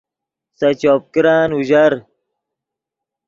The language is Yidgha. سے چوپ کرن اوژر